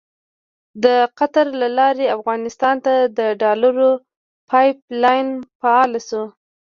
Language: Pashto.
د قطر له لارې افغانستان ته د ډالرو پایپ لاین فعال شو.